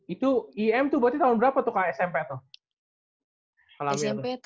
itu im tuh berarti tahun berapa tukang smp tuh